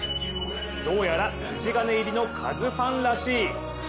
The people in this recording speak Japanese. どうやら筋金入りのカズファンらしい。